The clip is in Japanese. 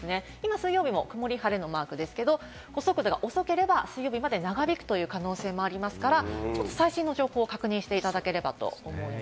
今、水曜日も曇り晴れのマークですけれども、速度が遅ければ、水曜日まで長引く可能性もあるので、最新の情報を確認していただければと思います。